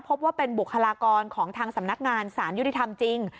พบว่าเป็นบุคลากรของทางสำนักงานสารยุติธรรมจริง